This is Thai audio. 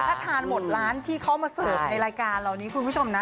ถ้าทานหมดร้านที่เขามาเสิร์ฟในรายการเรานี้คุณผู้ชมนะ